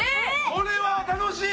これは楽しい！